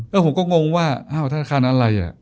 แล้วผมก็งงว่าอ้าวธนาคารอะไร